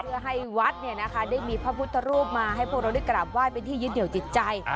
เพื่อให้วัดได้มีพระพุทธรูปมาให้พวกเราได้กราบไห้เป็นที่ยึดเหนียวจิตใจ